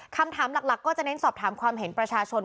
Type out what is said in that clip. คำถามหลักก็จะเน้นสอบถามความเห็นประชาชน